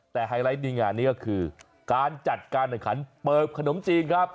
แต่ไฮไลท์ดีงานนี้ก็คือการจัดการแข่งขันเปิบขนมจีนครับ